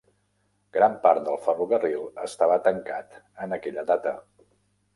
Gran part del ferrocarril estava tancat en aquella data.